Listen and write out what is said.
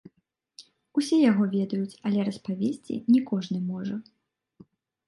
Усе яго ведаюць, але распавесці не кожны можа.